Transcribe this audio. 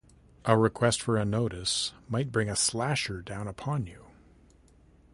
A request for a notice might bring a slasher down upon you.